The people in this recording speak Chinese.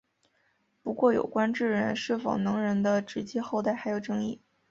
不过有关智人是否能人的直接后代还有争议。